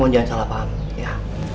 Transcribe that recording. aku percaya kau sama kamu